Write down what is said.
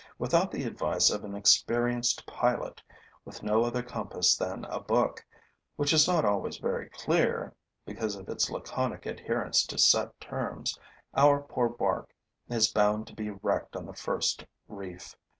Without the advice of an experienced pilot, with no other compass than a book, which is not always very clear, because of its laconic adherence to set terms, our poor bark is bound to be wrecked on the first reef.